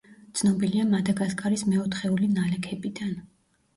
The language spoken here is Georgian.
ცნობილია მადაგასკარის მეოთხეული ნალექებიდან.